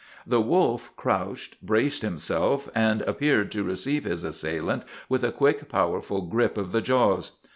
The wolf crouched, braced himself, and prepared to receive his assailant with a quick, powerful grip of the jaws.